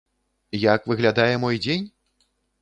Як выглядае мой дзень?